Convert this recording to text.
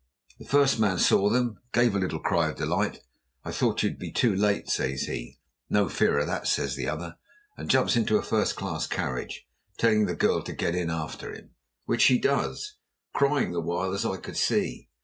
The first man saw them, and gave a little cry of delight. 'I thought you'd be too late,' says he. 'No fear of that,' says the other, and jumps into a first class carriage, telling the girl to get in after him, which she does, crying the while, as I could see.